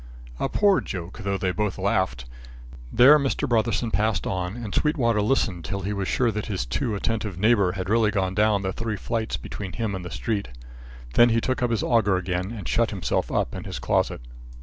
A poor joke, though they both laughed. There Mr. Brotherson passed on, and Sweetwater listened till he was sure that his too attentive neighbour had really gone down the three flights between him and the street. Then he took up his auger again and shut himself up in his closet.